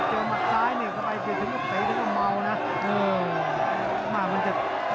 เจอมักซ้ายเนี่ยไฟล์ติดถึงตัวเมานะ